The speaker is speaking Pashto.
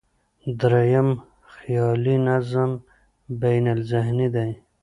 درېیم، خیالي نظم بینالذهني دی.